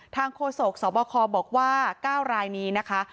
โฆษกสบคบอกว่า๙รายนี้นะคะ